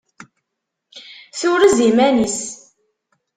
Turez iman-is.